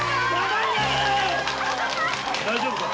大丈夫か？